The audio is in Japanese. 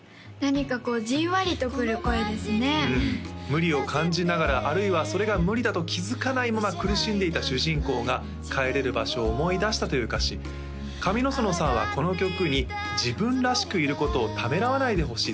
無理を感じながらあるいはそれが無理だと気づかないまま苦しんでいた主人公が帰れる場所を思い出したという歌詞上之園さんはこの曲に「自分らしくいることをためらわないでほしい」